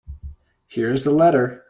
Here is the letter.